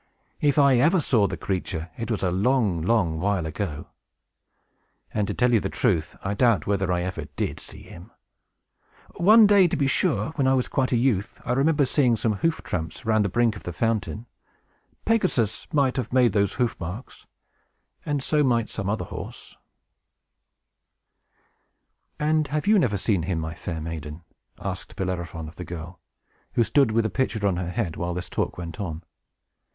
If I ever saw the creature, it was a long, long while ago; and, to tell you the truth, I doubt whether I ever did see him. One day, to be sure, when I was quite a youth, I remember seeing some hoof tramps round about the brink of the fountain. Pegasus might have made those hoof marks; and so might some other horse." [Illustration: BELLEROPHON AT THE FOVNTAIN] "And have you never seen him, my fair maiden?" asked Bellerophon of the girl, who stood with the pitcher on her head, while this talk went on.